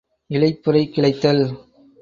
இலைப் புரை கிளைத்தல்.